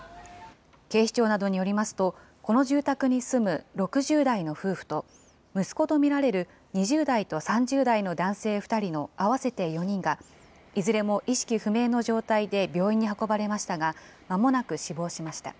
警視庁などによりますと、この住宅に住む６０代の夫婦と、息子と見られる２０代と３０代の男性２人の合わせて４人が、いずれも意識不明の状態で病院に運ばれましたが、まもなく死亡しました。